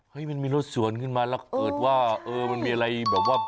เฮ้ยมันมีรถสวนขึ้นมาแล้วมันมีอะไรแบบว่า